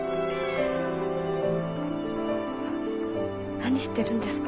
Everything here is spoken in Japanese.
何してるんですか？